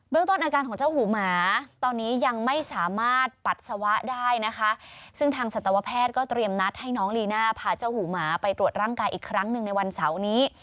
เรื่องต้นอาการของเจ้าหูหมาตอนนี้ยังไม่สามารถปัสสาวะได้นะคะซึ่งทางสัตวแพทย์ก็เตรียมนัดให้น้องลีน่าพาเจ้าหูหมาไปตรวจร่างกายอีกครั้งหนึ่งในวันเสาร์นี้